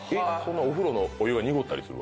お風呂のお湯が濁ったりする？